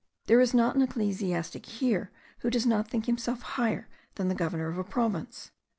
There is not an ecclesiastic here who does not think himself higher than the governor of a province.